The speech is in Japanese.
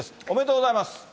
おめでとうございます。